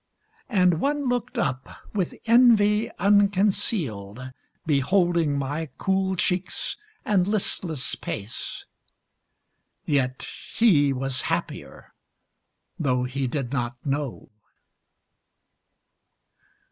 And one looked up, with envy unconcealed, Beholding my cool cheeks and listless pace, Yet he was happier, though he did not know.